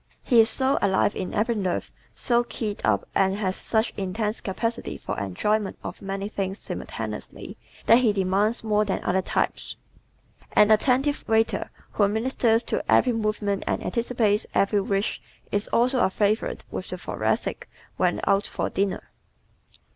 He is so alive in every nerve, so keyed up and has such intense capacity for enjoyment of many things simultaneously that he demands more than other types. An attentive waiter who ministers to every movement and anticipates every wish is also a favorite with the Thoracic when out for dinner.